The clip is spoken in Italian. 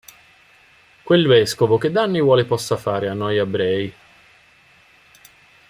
Quel vescovo che danni vuole possa fare a noi ebrei?